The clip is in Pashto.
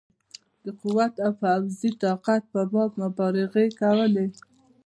د قوت او پوځي طاقت په باب مبالغې کولې.